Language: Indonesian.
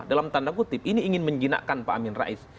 dalam tanda kutip ini ingin menjinakkan pak amin rais